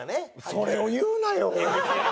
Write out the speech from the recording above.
それを言うなよ。